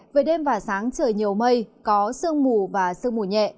về đêm và sáng trời nhiều mây có sương mù và sương mù nhẹ